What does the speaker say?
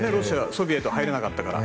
ソビエトに入れなかったから。